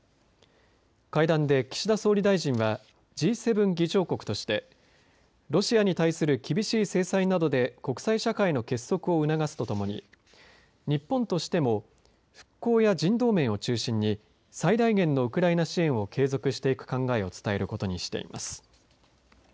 会談で岸田総理大臣はＧ７議長国としてロシアに対する厳しい制裁などで国際社会の結束を促すとともに日本としても復興や人道面を中心に最大限のウクライナ支援を継続していく考えを伝えることにしています。